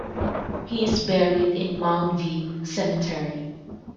He is buried in Mound View Cemetery.